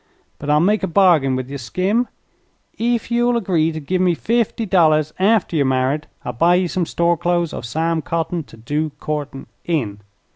But I'll make a bargain with ye, Skim. Ef you'll agree to give me fifty dollars after yer married, I'll buy ye some store clothes o' Sam Cotting, to do courtin' in."